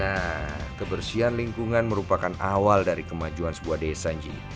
nah kebersihan lingkungan merupakan awal dari kemajuan sebuah desa nji